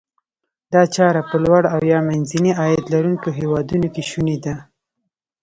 دا چاره په لوړ او یا منځني عاید لرونکو هیوادونو کې شوني ده.